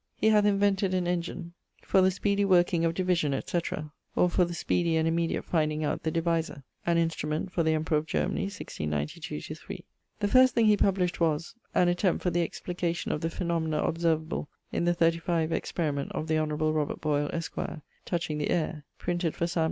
He hath invented an engine for the speedie working of division, etc., or for the speedie and immediate finding out the divisor. An instrument for the Emperor of Germany, 1692/3. The first thing he published was An attempt for the explication of the phaenomena observeable in the XXXV experiment of the honourable Robert Boyle, esq., touching the aire: printed for Sam.